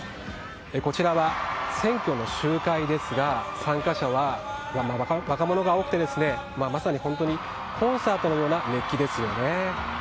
こちらは、選挙の集会ですが参加者は若者が多くてまさに本当にコンサートのような熱気ですよね。